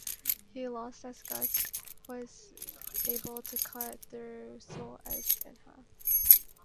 He lost as Guts was able to cut through Soul Edge in half.